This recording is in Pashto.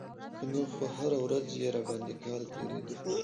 که نه خو هره ورځ يې راباندې کال تېرېده.